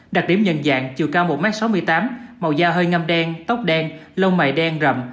đặc điểm nhận dạng chiều cao một m sáu mươi tám màu da hơi ngâm đen tóc đen lâu mày đen rầm